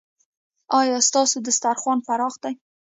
ایا ستاسو دسترخوان پراخ دی؟